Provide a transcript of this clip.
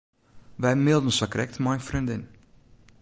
Wy mailden sakrekt nei in freondin.